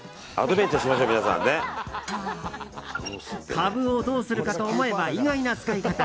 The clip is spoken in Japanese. カブをどうするかと思えば意外な使い方。